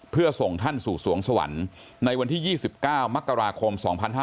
เพื่อส่งท่านสู่สวงสวรรค์ในวันที่๒๙มกราคม๒๕๕๙